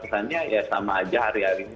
pesannya ya sama aja hari hari ini